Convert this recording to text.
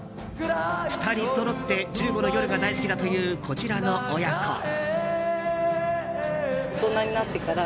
２人そろって「１５の夜」が大好きだというこちらの親子。